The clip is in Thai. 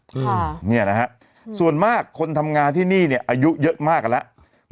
อืมเนี่ยนะฮะส่วนมากคนทำงานที่นี่เนี่ยอายุเยอะมากกันแล้ว